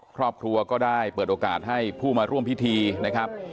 ครอบครัวก็ได้เปิดโอกาสให้ผู้มาร่วมพิธีนะครับ